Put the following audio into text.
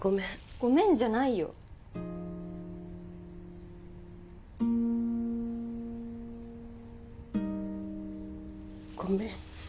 ごめんじゃないよ。ごめん。